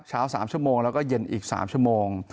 เช้า๓ชั่วโมงแล้วก็เย็นอีก๓ชั่วโมง